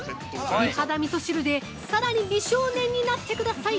美肌みそ汁でさらに美少年になってください！